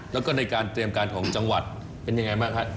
แล้วก็ในการเตรียมการของจังหวัดเป็นยังไงบ้างครับ